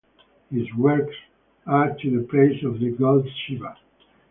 His works are to the praise of the God Shiva.